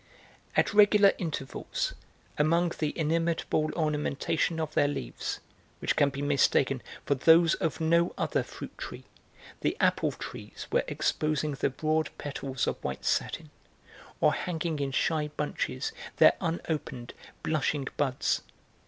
At regular intervals, among the inimitable ornamentation of their leaves, which can be mistaken for those of no other fruit tree, the apple trees were exposing their broad petals of white satin, or hanging in shy bunches their unopened, blushing buds.